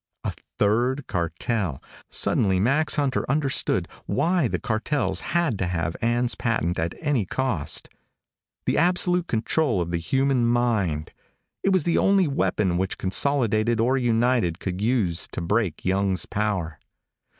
A third cartel! Suddenly Max Hunter understood why the cartels had to have Ann's patent at any cost. The absolute control of the human mind! It was the only weapon which Consolidated or United could use to break Young's power.